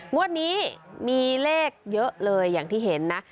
งวดนี้มีเลขเยอะเลยอย่างที่เห็นนะ